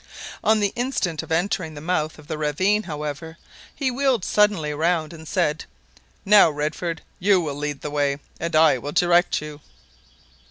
On the instant of entering the mouth of the ravine, however, he wheeled suddenly round and said "Now, Redford, you will lead the way, and I will direct you."